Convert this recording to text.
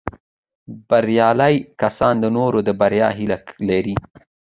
بریالي کسان د نورو د بریا هیله لري